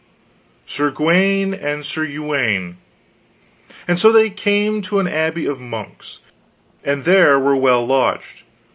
"Sir Gawaine and Sir Uwaine. And so they came to an abbey of monks, and there were well lodged.